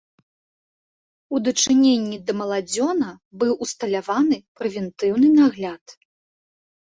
У дачыненні да маладзёна быў усталяваны прэвентыўны нагляд.